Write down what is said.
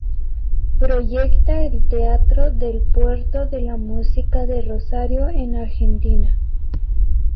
Proyecta el Teatro del Puerto de la Música de Rosario, en Argentina.